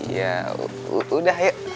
ya udah yuk